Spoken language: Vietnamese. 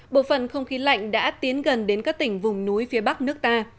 bộ phận không khí lạnh đã tiến gần đến các tỉnh vùng núi phía bắc nước ta